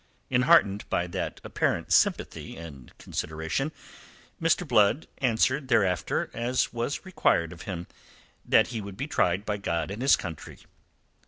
Enheartened by that apparent sympathy and consideration, Mr. Blood answered thereafter, as was required of him, that he would be tried by God and his country.